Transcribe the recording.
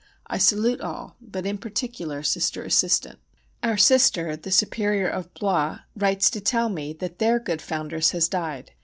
I salute all, but in particular Sister Assistant. Our Sister the Superior of Blois writes to tell me that their good foundress has died.